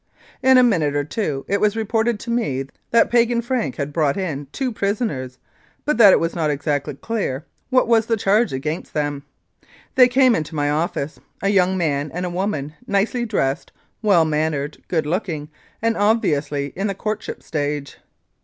In a minute or two it was reported to me that Piegan Frank had brought in two prisoners, but that it was not exactly clear what was the charge against them. They came into my office, a young man and a woman, nicely dressed, well mannered, good looking, and obviously in the courtship stage.